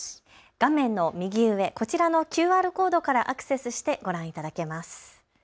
画面の右上、こちらのＱＲコードからアクセスしてご覧いただけます。